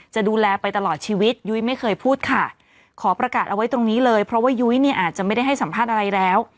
จะดูแลไปตลอดชีวิตยุ้ยไม่เคยพูดค่ะขอประกาศเอาไว้ตรงนี้เลยเพราะว่ายุ้ยเนี่ยอาจจะไม่ได้ให้สัมภาษณ์อะไรแล้ว